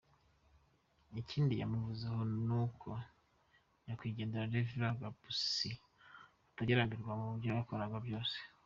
Ikindi yamuvuzeho ni uko nyakwigendera Rev Gapusi atajyaga arambirwa mu byo yakoraga byose.